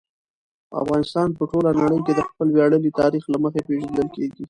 افغانستان په ټوله نړۍ کې د خپل ویاړلي تاریخ له مخې پېژندل کېږي.